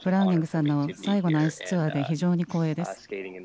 さんの最後のアイスツアーで非常に光栄です。